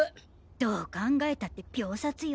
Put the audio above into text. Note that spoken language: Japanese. どう考えたって秒殺よ。